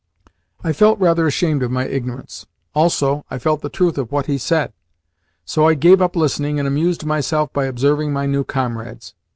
I felt rather ashamed of my ignorance. Also, I felt the truth of what he said; so I gave up listening, and amused myself by observing my new comrades.